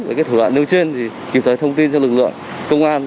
với cái thủ đoạn nêu trên thì kịp thời thông tin cho lực lượng công an